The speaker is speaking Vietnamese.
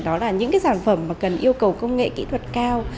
đó là những sản phẩm cần yêu cầu công nghệ kỹ thuật cao